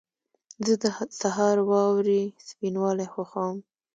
زه د سهار واورې سپینوالی خوښوم.